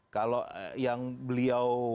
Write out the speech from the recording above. kalau yang beliau